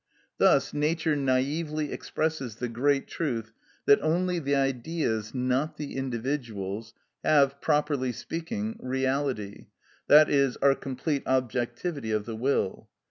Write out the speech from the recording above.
Thus Nature naïvely expresses the great truth that only the Ideas, not the individuals, have, properly speaking, reality, i.e., are complete objectivity of the will.